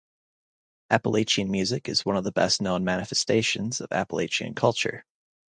Appalachian music is one of the best-known manifestations of Appalachian culture.